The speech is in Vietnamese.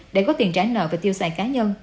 để có tiền trả nợ và tiêu xài cá nhân